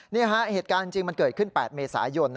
เหตุการณ์จริงมันเกิดขึ้น๘เมษายน